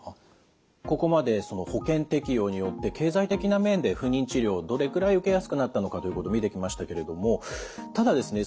ここまで保険適用によって経済的な面で不妊治療をどれくらい受けやすくなったのかということ見てきましたけれどもただですね